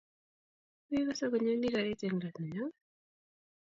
Mekose konyoni karit eng let nenyoo?